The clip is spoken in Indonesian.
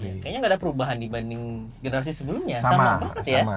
kayaknya gak ada perubahan dibanding generasi sebelumnya